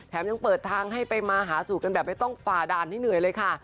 ยังเปิดทางให้ไปมาหาสู่กันแบบไม่ต้องฝ่าด่านให้เหนื่อยเลยค่ะ